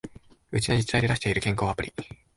うちの自治体で出してる健康アプリ